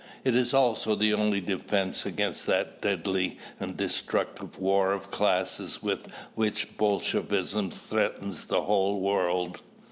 It is also the only defense against that deadly and destructive war of classes with which Bolshevism threatens the whole world.